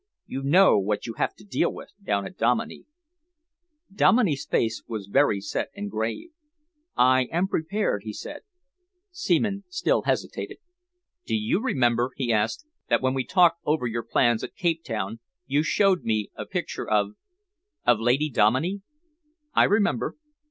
You know what you have to deal with down at Dominey." Dominey's face was very set and grave. "I am prepared," he said. Seaman still hesitated. "Do you remember," he asked, "that when we talked over your plans at Cape Town, you showed me a picture of of Lady Dominey?" "I remember."